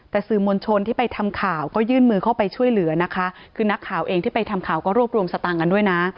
แต่สื่อมวลชนที่ไปทำข่าวก็ยื่นมือเข้าไปช่วยเหลือนะคะคือนักข่าวเองที่ไปทำข่าวก็รวบรวมสตางค์กันด้วยนะ